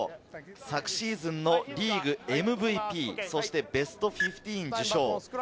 昨シーズンのリーグＭＶＰ、そしてベスト１５受賞。